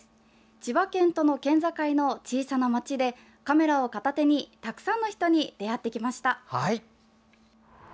千葉県との県境の小さな町でカメラを片手にたくさんの人に出会ってきました。